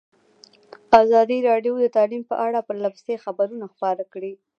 ازادي راډیو د تعلیم په اړه پرله پسې خبرونه خپاره کړي.